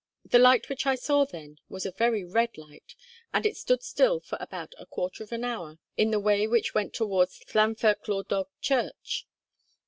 The light which I saw then was a very red light, and it stood still for about a quarter of an hour in the way which went towards Llanferch Llawddog church.